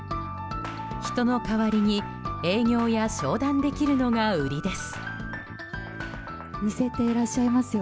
人の代わりに営業や商談できるのが売りです。